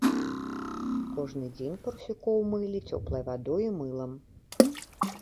Кожны дзень парсюкоў мылі цёплай вадой і мылам.